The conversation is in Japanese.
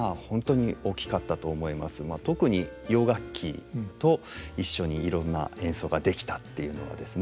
特に洋楽器と一緒にいろんな演奏ができたっていうのはですね